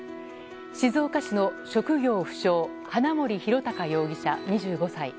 静岡市の職業不詳花森弘卓容疑者、２５歳。